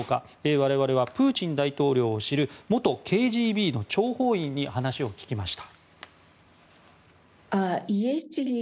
我々はプーチン大統領を知る元ＫＧＢの諜報員に話を聞きました。